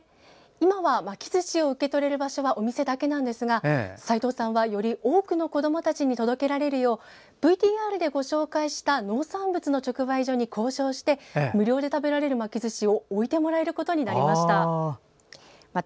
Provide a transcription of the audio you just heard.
今は巻きずしを受け取れる場所はお店だけなんですが齋藤さんはより多くの子どもたちに巻きずしを届けられるようＶＴＲで紹介した農産物の直売所に交渉して無料で食べられる巻きずしを置いてもらえることになりました。